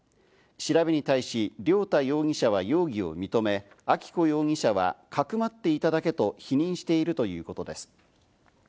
調べに対し良太容疑者は容疑を認め、明子容疑者はかくまっていただけと否認しているということです。